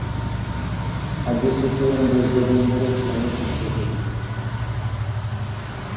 Abu Sufyan দীর্ঘদিন ধরে ইসলামের শত্রু ছিলেন।